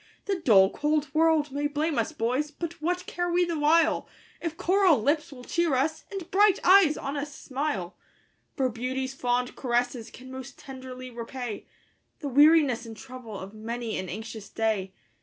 The dull, cold world may blame us, boys! but what care we the while, If coral lips will cheer us, and bright eyes on us smile? For beauty's fond caresses can most tenderly repay The weariness and trouble of many an anxious day.